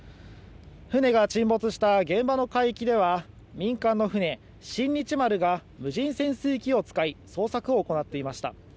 船が沈没した現場の海域では民間の船「新日丸」が無人潜水機を使い捜索を行っていました。